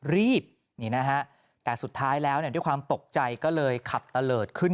รีบนี่นะฮะแต่สุดท้ายแล้วด้วยความตกใจก็เลยขับตะเลิศขึ้น